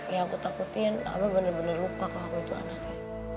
ya aku takutin abah bener bener lupa kakakku itu anaknya